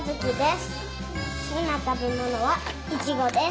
すきなたべものはいちごです。